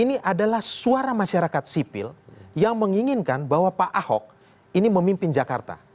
ini adalah suara masyarakat sipil yang menginginkan bahwa pak ahok ini memimpin jakarta